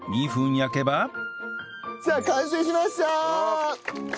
さあ完成しました！